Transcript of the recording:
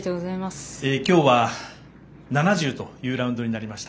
今日は、７０というラウンドになりました。